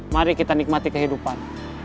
mari kita nikmati kehidupan